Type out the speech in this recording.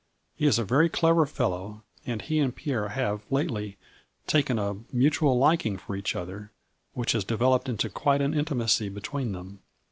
He is a very clever fellow, and he and Pierre have lately taken a mutual liking for each other, which has developed into quite an intimacy between them.